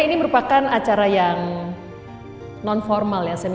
ini merupakan acara yang non formal ya